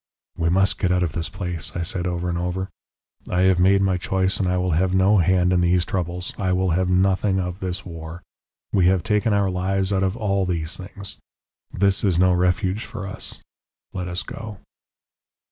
"'We must get out of this place,' I said over and over. 'I have made my choice, and I will have no hand in these troubles. I will have nothing of this war. We have taken our lives out of all these things. This is no refuge for us. Let us go.'